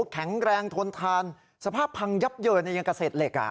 แข็งแรงทนทานสภาพพังยับเยินยังเกษตรเหล็ก